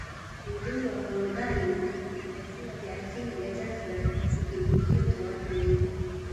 uzuri wa forodhani na vyakula vya asili vya Zanzibar ni kivutio cha watu wengi